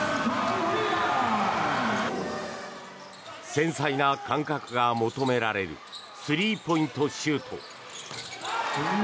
繊細な感覚が求められるスリーポイントシュート。